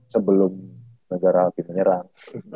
sebelum negara api menyerang